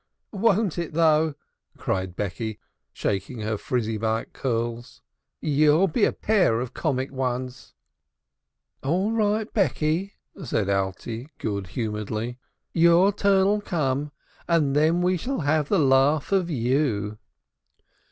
"Won't it though!" cried Becky, shaking her frizzly black curls. "You'll be a pair of comic 'uns." "All right, Becky," said Alte good humoredly. "Your turn'll come, and then we shall have the laugh of you."